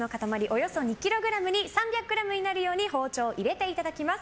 およそ２ｋｇに３００ｇになるように包丁を入れていただきます。